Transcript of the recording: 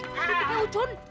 itu dia ucun